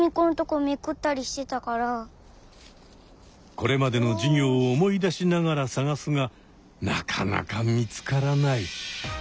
これまでの授業を思い出しながら探すがなかなか見つからない。